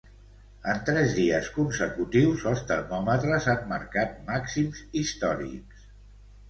En tres dies consecutius els termòmetres han marcat màxims històrics.